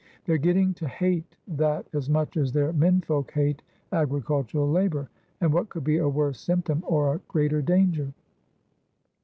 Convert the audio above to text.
They're getting to hate that as much as their menfolk hate agricultural labour; and what could be a worse symptom or a greater danger?"